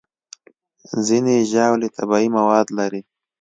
ځینې ژاولې طبیعي مواد لري.